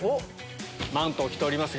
マントを着ておりますが。